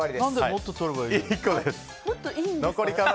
もっと取ればいいのに。